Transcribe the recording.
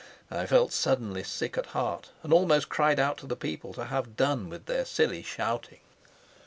I felt suddenly sick at heart, and almost cried out to the people to have done with their silly shouting.